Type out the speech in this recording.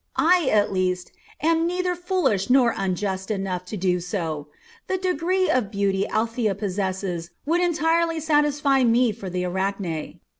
I at least am neither foolish nor unjust enough to do so. The degree of beauty Althea possesses would entirely satisfy me for the Arachne.